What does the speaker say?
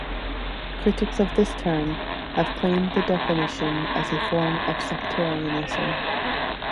Critics of this term have claimed the definition as a form of sectarianism.